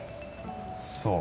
そう。